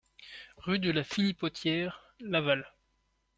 Rue de la Philipotière, Laval